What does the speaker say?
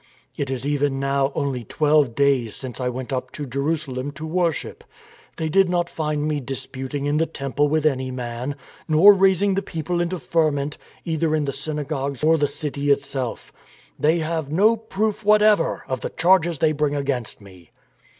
" It is even now only twelve days since I went up to Jerusalem to worship. They did not find me dis puting in the Temple with any man, nor raising the people into ferment either in the synagogues or the city itself. They have no proof whatever of the charges they bring against me.